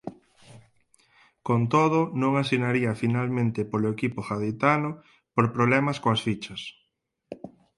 Con todo non asinaría finalmente polo equipo gaditano por problemas coas fichas.